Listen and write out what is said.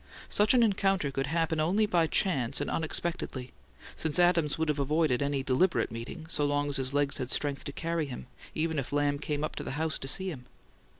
Such an encounter could happen only by chance and unexpectedly; since Adams would have avoided any deliberate meeting, so long as his legs had strength to carry him, even if Lamb came to the house to see him.